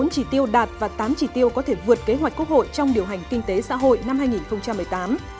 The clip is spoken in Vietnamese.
bốn chỉ tiêu đạt và tám chỉ tiêu có thể vượt kế hoạch quốc hội trong điều hành kinh tế xã hội năm hai nghìn một mươi tám